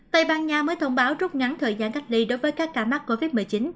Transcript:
tây ban nha mới thông báo rút ngắn thời gian cách ly đối với các ca mắc covid một mươi chín